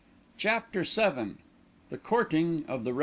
CHAPTER VII THE COURTING OF THE REV.